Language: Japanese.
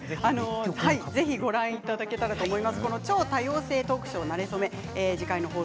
ぜひご覧いただけたらと思います。